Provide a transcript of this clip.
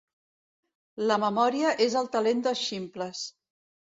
La memòria és el talent dels ximples.